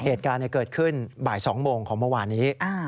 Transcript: เหตุการณ์เกิดขึ้นบ่าย๒โมงของเมื่อวานนี้